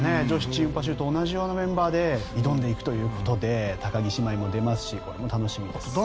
女子パシュート同じようなメンバーで挑んでいくというような高木姉妹も出ますしこれも楽しみです。